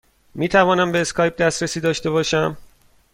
می توانم به اسکایپ دسترسی داشته باشم؟